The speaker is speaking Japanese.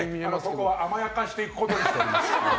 ここは甘やかしていくことにしております。